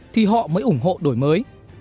thì họ mới ủng hộ đổi mới